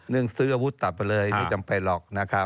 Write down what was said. เรื่องซื้ออาวุธตัดไปเลยไม่จำเป็นหรอกนะครับ